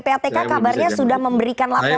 ppatk kabarnya sudah memberikan laporan